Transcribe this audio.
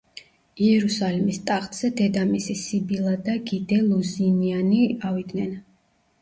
იერუსალიმის ტახტზე დედამისი სიბილა და გი დე ლუზინიანი ავიდნენ.